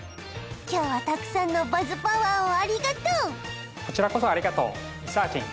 今日はたくさんのバズパワーをありがとうこちらこそありがとうリサーちん